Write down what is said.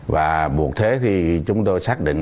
và buộc thế khi chúng tôi xác định